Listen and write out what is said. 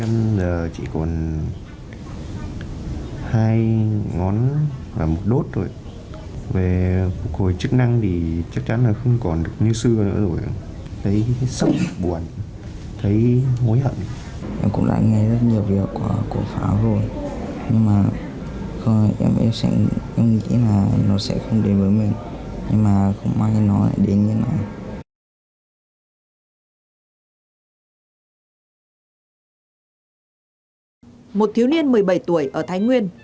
một thiếu niên một mươi bảy tuổi ở thái nguyên